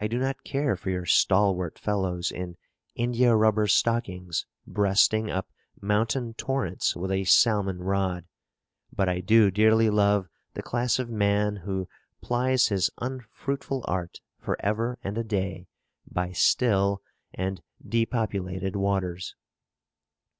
I do not care for your stalwart fellows in india rubber stockings breasting up mountain torrents with a salmon rod; but I do dearly love the class of man who plies his unfruitful art, for ever and a day, by still and depopulated waters.